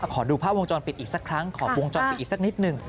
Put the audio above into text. ขอดูภาพวงจรปิดอีกสักครั้งขอวงจรปิดอีกสักนิดหนึ่ง